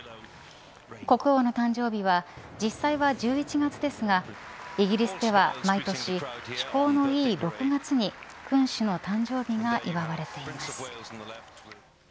国王の誕生日は実際は１１月ですがイギリスでは毎年気候のいい６月に君主の誕生日が祝われています。